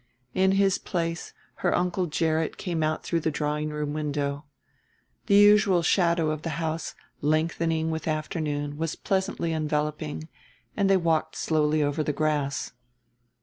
In his place her Uncle Gerrit came out through the drawing room window. The usual shadow of the house, lengthening with afternoon, was pleasantly enveloping, and they walked slowly over the grass.